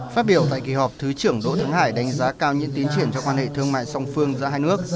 phát biểu tại kỳ họp thứ trưởng đỗ thắng hải đánh giá cao những tiến triển trong quan hệ thương mại song phương giữa hai nước